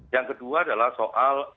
yang kedua adalah soal